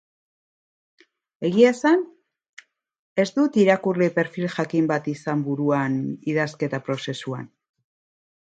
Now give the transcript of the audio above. Egia esan, ez dut irakurle perfil jakin bat izan buruan idazketa prozesuan.